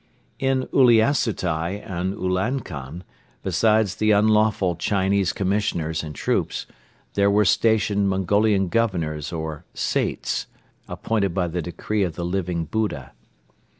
In Uliassutai and Ulankom, besides the unlawful Chinese commissioners and troops, there were stationed Mongolian governors or "Saits," appointed by the decree of the Living Buddha.